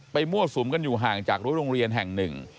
มั่วสุมกันอยู่ห่างจากรั้วโรงเรียนแห่งหนึ่ง